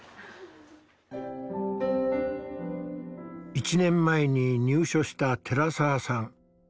１年前に入所した寺澤さん。